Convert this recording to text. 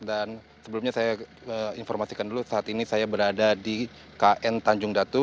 dan sebelumnya saya informasikan dulu saat ini saya berada di kn tanjung datu